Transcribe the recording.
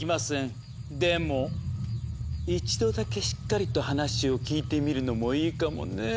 でも一度だけしっかりと話を聞いてみるのもいいかもねぇ。